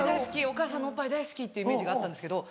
お母さんのおっぱい大好きってイメージがあったんですけど。